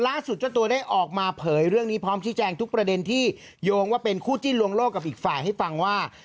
เจ้าตัวได้ออกมาเผยเรื่องนี้พร้อมชี้แจงทุกประเด็นที่โยงว่าเป็นคู่จิ้นลวงโลกกับอีกฝ่ายให้ฟังว่า